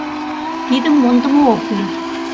Тидым мондымо ок кӱл.